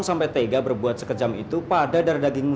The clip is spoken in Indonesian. bayi saya keburu menjeritkan tanganmu